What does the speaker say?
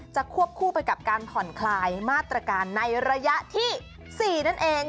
ควบคู่ไปกับการผ่อนคลายมาตรการในระยะที่๔นั่นเอง